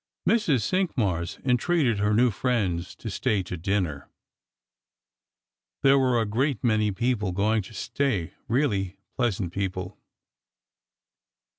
Mrs. Cinqmars entreated her new friends to stay to dinner. There were a great many people going to stay, really pleasant people.